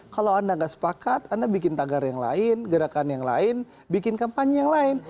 kalau anda nggak sepakat anda bikin tagar yang lain gerakan yang lain bikin kampanye yang lain